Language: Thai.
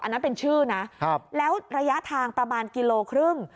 อันนั้นเป็นชื่อนะแล้วระยะทางประมาณกิโลครึ่ง